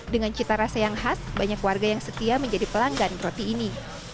dengan cita rasa yang khas banyak warga yang setia menjadi pelanggan roti ini